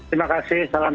terima kasih salam sehat